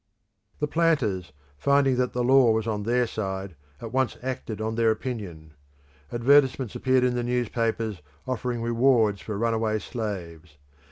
The planters, finding that the law was on their side, at once acted on their opinion. Advertisements appeared in the newspapers offering rewards for runaway slaves.